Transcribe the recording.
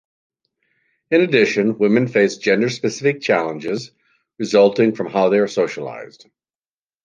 In addition, women face gender specific challenges resulting from how they are socialized.